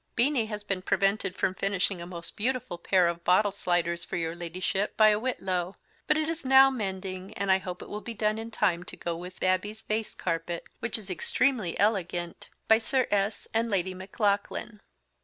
Beennie has been prevented from Finishing a most Beautiful Pair of bottle Sliders for your Ladyship by a whitlow, but it is now Mending, and I hope will be done in Time to go with Babby's Vase Carpet, which is extremely elegant, by Sir S. and Lady Maclaughlan.